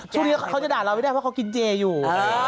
ช่วงนี้เขาจะด่าเราไม่ได้เพราะเขากินเจอยู่